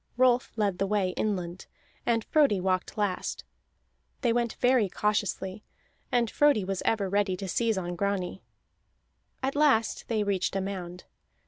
Rolf led the way inland, and Frodi walked last; they went very cautiously, and Frodi was ever ready to seize on Grani. At last they reached a mound.